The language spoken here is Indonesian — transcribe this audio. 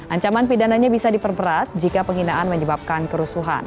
ancaman pidananya bisa diperberat jika penghinaan menyebabkan kerusuhan